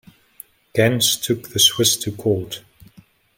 Ganz took the Swiss to court.